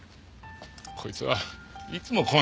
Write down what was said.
こいつはいつもこうなんです。